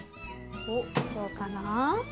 おっどうかな？